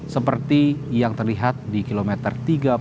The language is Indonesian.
seperti yang terlihat di kilometer tiga puluh